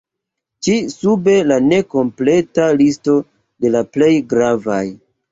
Ĉi sube la nekompleta listo de la plej gravaj.